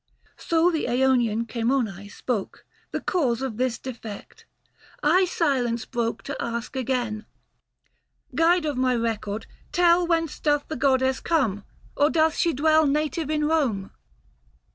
275 So the Aonian Camoense spoke The cause of this defect. I silence broke To ask again, " Guide of my record, tell Whence doth the goddess come, or doth she dwell Book IV. THE FASTI. Ill Native in Home